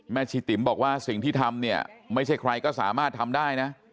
ชีติ๋มบอกว่าสิ่งที่ทำเนี่ยไม่ใช่ใครก็สามารถทำได้นะ